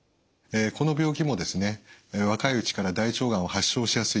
この病気もですね若いうちから大腸がんを発症しやすい。